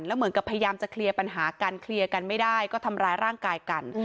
แล้วเหมือนกับพยายามจะเคลียร์ปัญหากันเคลียร์กันไม่ได้ก็ทำร้ายร่างกายกัน